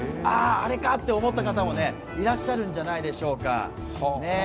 あれかと思った方もいらっしゃるんじゃないでしょうか。